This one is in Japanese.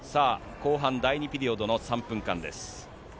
後半、第２ピリオド３分間です。